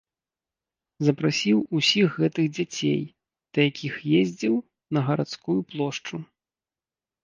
Запрасіў усіх гэтых дзяцей, да якіх ездзіў, на гарадскую плошчу.